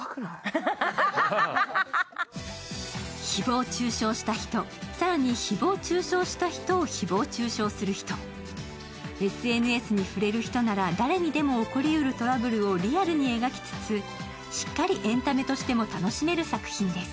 誹謗中傷した人、更に誹謗中傷した人を中傷する人ＳＮＳに触れる人なら誰にでも起こりうるトラブルをリアルに描きつつ、しっかりエンタメとしても楽しめる作品です。